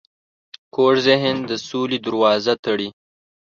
کوږ ذهن د سولې دروازه تړي